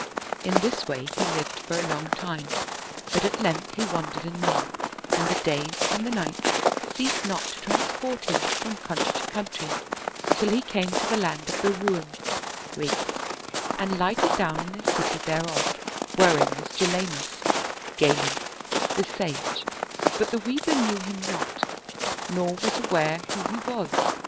In this way he lived for a long time, but at length he wandered anew, and the days and the nights ceased not to transport him from country to country, till he came to the land of the Roum (Greeks) and lighted down in a city thereof, wherein was Jalinus (Galen) the sage; but the Weaver knew him not, nor was aware who he was.